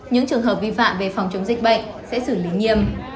những trường hợp vi phạm về phòng chống dịch bệnh sẽ xử lý nghiêm